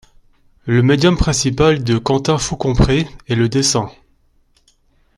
Le médium principal de Quentin Faucompré est le dessin.